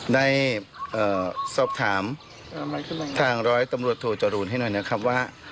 ได้สอบถามทางร้อยตำรวจโทจรูนให้หน่อยนะครับว่า